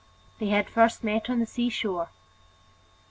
They had first met on the sea shore.